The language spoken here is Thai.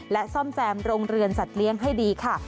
และซ่อมแซมโรงเรือนสัตว์เลี้ยงให้ดีค่ะ